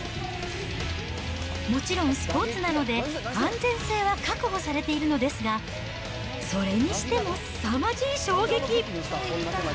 もちろんスポーツなので、安全性は確保されているのですが、それにしてもすさまじい衝撃。